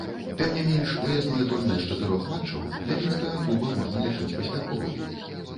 Тым не менш выязное турнэ з чатырох матчаў для мінскага клуба можна лічыць паспяховым.